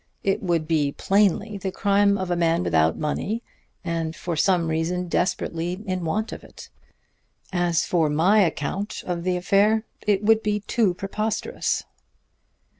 It would be plainly the crime of a man without money, and for some reason desperately in want of it. As for my account of the affair, it would be too preposterous.